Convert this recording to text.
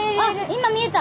今見えた！